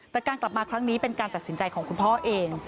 แต่การกลับมาครั้งนี้เป็นการตัดสินใจของคุณพ่อเอง